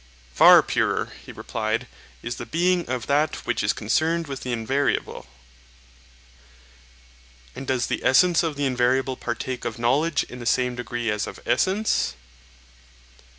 Far purer, he replied, is the being of that which is concerned with the invariable. And does the essence of the invariable partake of knowledge in the same degree as of essence?